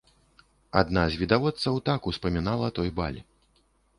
Адна з відавочцаў так успамінала той баль.